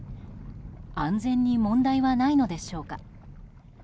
安全に問題はないのでしょうか。